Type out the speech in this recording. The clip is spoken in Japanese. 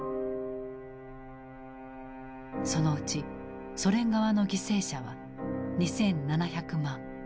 そのうちソ連側の犠牲者は２７００万。